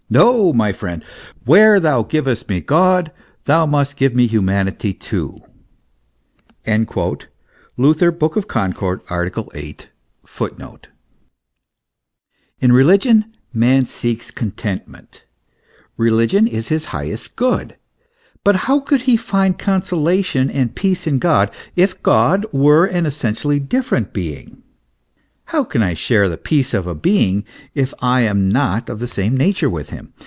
No, my friend, where thou givest me God, thou must give me humanity too."* In religion man seeks contentment; religion is his highest good. But how could he find consolation and peace in God, if God were an essentially different being ? How can I share the peace of a being if I am not of the same nature with him